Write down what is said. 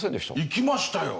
行きましたよ。